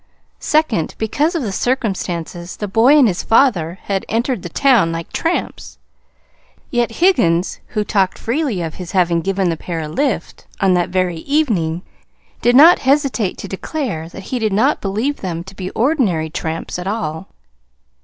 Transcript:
Second, because of the circumstances. The boy and his father had entered the town like tramps, yet Higgins, who talked freely of his having given the pair a "lift" on that very evening, did not hesitate to declare that he did not believe them to be ordinary tramps at all.